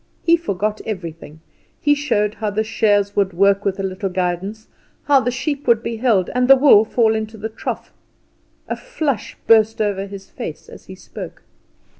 He forgot everything. He showed how the shears would work with a little guidance, how the sheep would be held, and the wool fall into the trough. A flush burst over his face as he spoke.